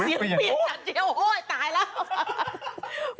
เปลี่ยนโอ๊ยตายแล้ว